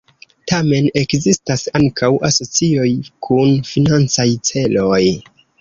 Tamen ekzistas ankaŭ asocioj kun financaj celoj.